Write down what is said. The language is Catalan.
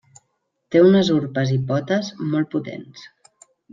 Té unes urpes i potes molt potents.